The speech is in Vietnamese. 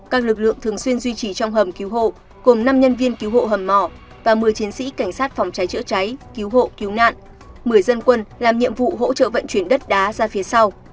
các lực lượng thường xuyên duy trì trong hầm cứu hộ gồm năm nhân viên cứu hộ hầm mỏ và một mươi chiến sĩ cảnh sát phòng cháy chữa cháy cứu hộ cứu nạn một mươi dân quân làm nhiệm vụ hỗ trợ vận chuyển đất đá ra phía sau